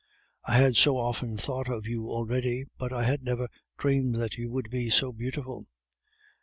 I had so often thought of you already, but I had never dreamed that you would be so beautiful!